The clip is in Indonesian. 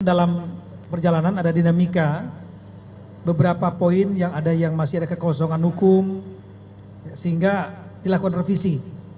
dalam perjalanan ada dinamika beberapa poin yang masih ada kekosongan hukum sehingga dilakukan revisi